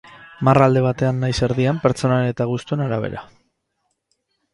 Marra alde batean nahiz erdian, pertsonaren eta gustuen arabera.